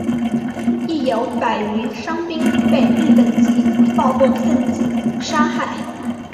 亦有百余伤兵被日本籍暴动分子杀害。